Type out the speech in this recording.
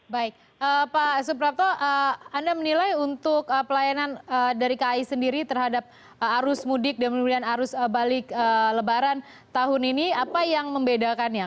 baik pak suprapto anda menilai untuk pelayanan dari kai sendiri terhadap arus mudik dan arus balik lebaran tahun ini apa yang membedakannya